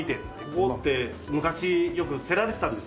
尾って昔よく捨てられてたんですよ。